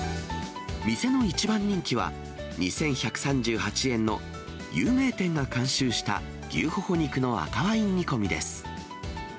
店の一番人気は２１３８円の有名店が監修した牛ホホ肉の赤ワイン煮込みです。